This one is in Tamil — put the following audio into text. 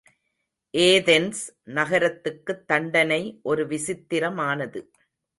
ஏதென்ஸ் நகரத்துக்குத் தண்டனை ஒரு விசித்திரமானது.